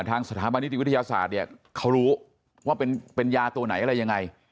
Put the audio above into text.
ทางสถาบันนิติวิทยาศาสตร์เนี่ยเขารู้ว่าเป็นยาตัวไหนอะไรยังไง